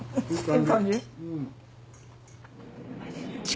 いい感じ？